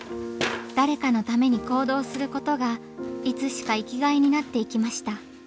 誰かのために行動することがいつしか生きがいになっていきました。